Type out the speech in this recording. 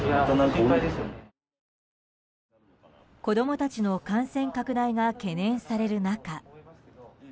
子供たちの感染拡大が懸念される中。